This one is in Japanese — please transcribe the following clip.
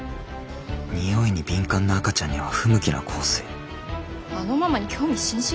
においに敏感な赤ちゃんには不向きな香水あのママに興味津々だね。